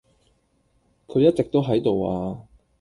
佢一直都喺度呀